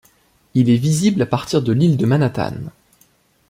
Il est visible à partir de l'île de Manhattan.